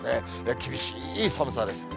厳しい寒さです。